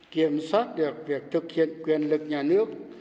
kiểm soát được việc thực hiện quyền lực nhà nước